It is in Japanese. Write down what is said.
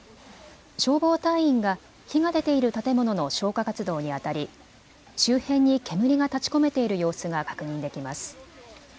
消防隊員が火が出ている建物の消火活動にあたり周辺に煙が立ちこめている様子が確認できます。